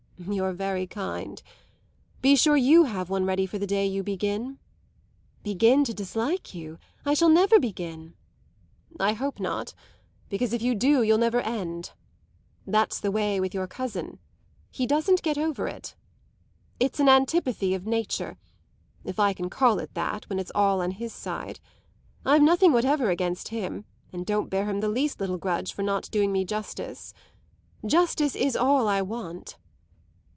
"You're very kind. Be sure you have one ready for the day you begin." "Begin to dislike you? I shall never begin." "I hope not; because if you do you'll never end. That's the way with your cousin; he doesn't get over it. It's an antipathy of nature if I can call it that when it's all on his side. I've nothing whatever against him and don't bear him the least little grudge for not doing me justice. Justice is all I want.